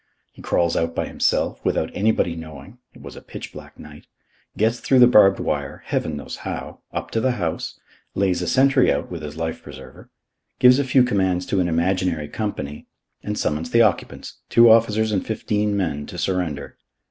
He crawls out by himself, without anybody knowing it was a pitch black night gets through the barbed wire, heaven knows how, up to the house; lays a sentry out with his life preserver; gives a few commands to an imaginary company; and summons the occupants two officers and fifteen men to surrender.